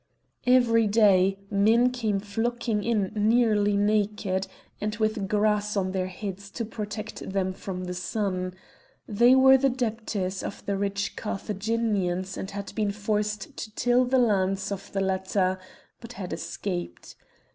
Every day men came flocking in nearly naked, and with grass on their heads to protect them from the sun; they were the debtors of the rich Carthaginians and had been forced to till the lands of the latter, but had escaped.